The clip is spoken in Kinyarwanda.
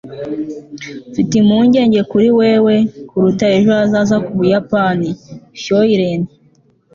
mfite impungenge kuri wewe kuruta ejo hazaza h'ubuyapani. (shoyren